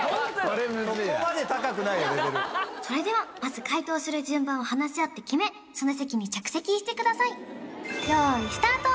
それではまず解答する順番を話し合って決めその席に着席してください用意スタート！